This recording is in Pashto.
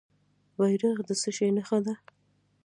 بیرغ د څه شي نښه ده؟